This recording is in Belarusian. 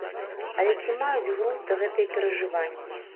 Але ці маюць грунт гэтыя перажыванні?